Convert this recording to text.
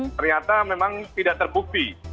ternyata memang tidak terbukti